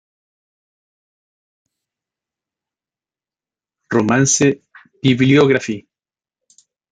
Romance Bibliography.